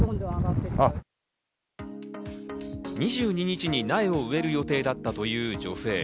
２２日に苗を植える予定だったという女性。